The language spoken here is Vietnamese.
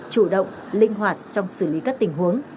chủ động linh hoạt trong xử lý các tình huống